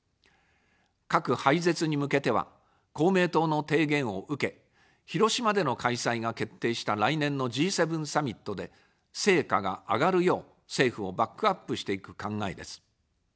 核廃絶に向けては、公明党の提言を受け、広島での開催が決定した来年のＧ７サミットで成果が上がるよう政府をバックアップしていく考えです。